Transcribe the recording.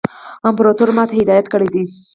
امپراطور ما ته هدایت کړی دی.